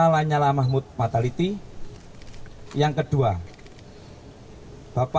saya ada jadi tiada pasangan baru